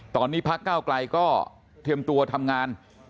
ตอนนี้พักเก้าไกลก็เตรียมตัวทำงาน